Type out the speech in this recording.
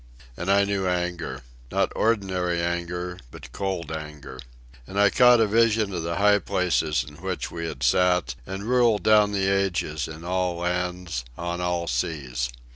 And I knew anger. Not ordinary anger, but cold anger. And I caught a vision of the high place in which we had sat and ruled down the ages in all lands, on all seas.